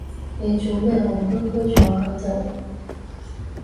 你做乜戇居居坐係度？